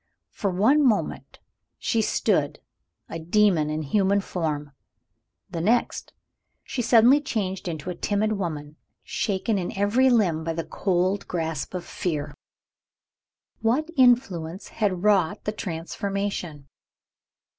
For one moment, she stood a demon in human form. The next, she suddenly changed into a timid woman, shaken in every limb by the cold grasp of fear. What influence had wrought the transformation?